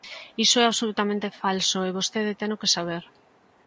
Iso é absolutamente falso, e vostede teno que saber.